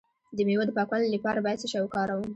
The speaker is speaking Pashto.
د میوو د پاکوالي لپاره باید څه شی وکاروم؟